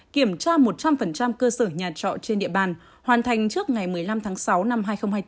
kiểm tra một trăm linh cơ sở nhà trọ trên địa bàn hoàn thành trước ngày một mươi năm tháng sáu năm hai nghìn hai mươi bốn